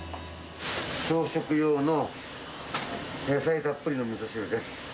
朝食用の野菜たっぷりのみそ汁です。